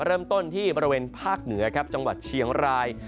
เริ่มต้นที่บริเวณภาคเหนือครับจังหวัดเชียงราย